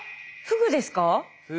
フグです。